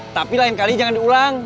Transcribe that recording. tapi lain kali jangan diulang